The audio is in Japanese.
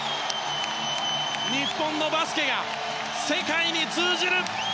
日本のバスケが世界に通じる！